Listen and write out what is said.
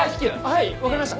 はい分かりました！